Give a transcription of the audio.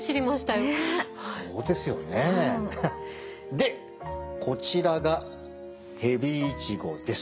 でこちらがヘビイチゴです。